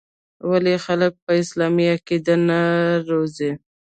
ولـې خـلـک پـه اسـلامـي عـقـيده نـه روزي.